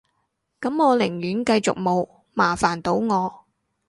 噉我寧願繼續冇，麻煩到我